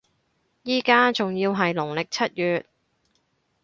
依家仲要係農曆七月